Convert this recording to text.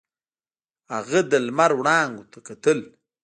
هغه د لمر وړانګو ته کتل.